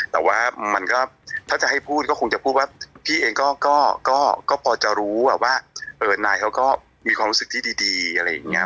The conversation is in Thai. แต่ว่ามันก็ถ้าจะให้พูดก็คงจะพูดว่าพี่เองก็พอจะรู้ว่านายเขาก็มีความรู้สึกที่ดีอะไรอย่างนี้